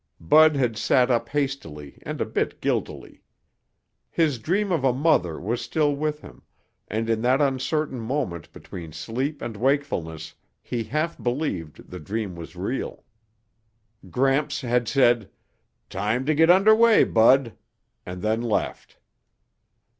Bud had sat up hastily and a bit guiltily. His dream of a mother was still with him and in that uncertain moment between sleep and wakefulness, he half believed the dream was real. Gramps had said, "Time to get under way, Bud," and then left.